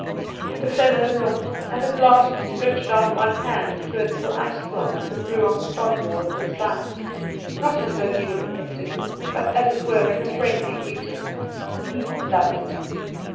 The fellow looked, and at last stretched out one hand to a little ice plant that grew on the sod wall of the sty; not as though he would have picked it, but as it were in a friendly greeting. He loved it.